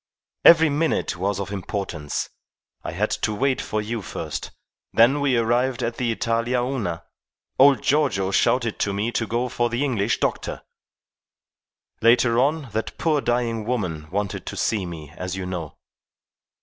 Every minute was of importance. I had to wait for you first. Then, when we arrived at the Italia Una, old Giorgio shouted to me to go for the English doctor. Later on, that poor dying woman wanted to see me, as you know.